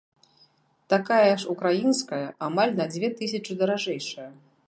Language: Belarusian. Такая ж украінская амаль на дзве тысячы даражэйшая.